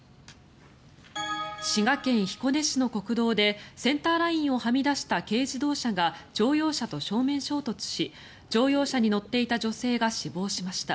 滋賀県彦根市の国道でセンターラインをはみ出した軽自動車が乗用車と正面衝突し乗用車に乗っていた女性が死亡しました。